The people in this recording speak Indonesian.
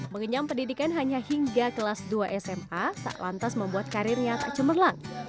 mengenyam pendidikan hanya hingga kelas dua sma tak lantas membuat karirnya tak cemerlang